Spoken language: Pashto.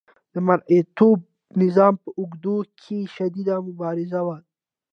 د مرئیتوب نظام په اوږدو کې شدیده مبارزه وه.